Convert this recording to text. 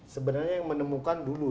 sebenarnya yang menemukan dulu